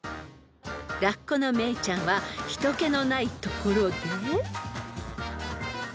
［ラッコのメイちゃんは人けのないところで］